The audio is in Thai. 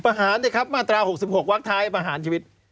ประหารนะครับมาตรา๖๖วัคท้ายประหารชีวิต